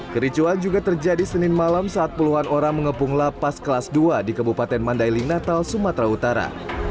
kericuan juga terjadi senin malam saat puluhan orang mengepung lapas kelas dua di kebupaten mandailing natal sumatera utara